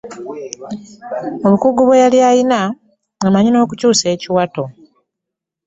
Ku bukugu bwe yali alina ng'amanyi n'okukyusa ekiwato.